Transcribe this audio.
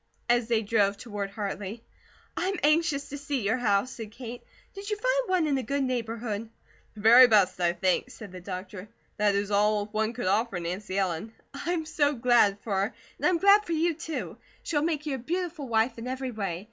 As they drove toward Hartley: "I'm anxious to see your house," said Kate. "Did you find one in a good neighbourhood?" "The very best, I think," said the doctor. "That is all one could offer Nancy Ellen." "I'm so glad for her! And I'm glad for you, too! She'll make you a beautiful wife in every way.